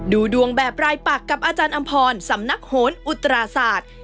ดูดวงแบบรายปักกับอาจารย์อำพรสำนักโหนอุตราศาสตร์